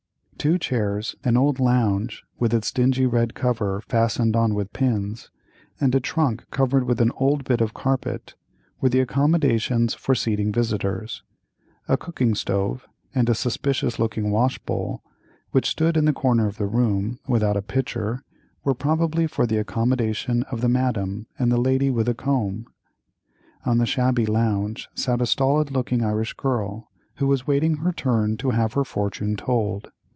Two chairs, an old lounge with its dingy red cover fastened on with pins, and a trunk covered with an old bit of carpet, were the accommodations for seating visitors. A cooking stove, and a suspicious looking wash bowl which stood in the corner of the room, without a pitcher, were probably for the accommodation of the Madame and the lady with the comb. On the shabby lounge sat a stolid looking Irish girl, who was waiting her turn to have her fortune told.